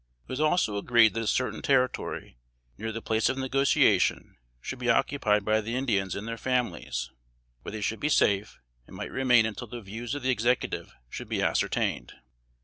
It was also agreed that a certain territory, near the place of negotiation, should be occupied by the Indians and their families, where they should be safe, and might remain until the views of the Executive should be ascertained.